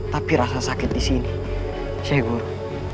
tapi rasa sakit disini syekh guru